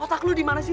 otak lo dimana sih